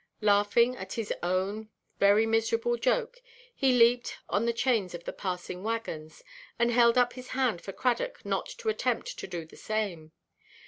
Laughing at his own very miserable joke, he leaped on the chains of the passing waggons, and held up his hand for Cradock not to attempt to do the same.